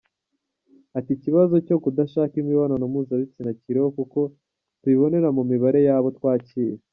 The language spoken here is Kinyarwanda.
Ati “Ikibazo cyo kudashaka imibonano mpuzabitsina kiriho kuko tubibonera mu mibare yabo twakira.